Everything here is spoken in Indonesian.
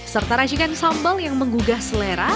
serta racikan sambal yang menggugah selera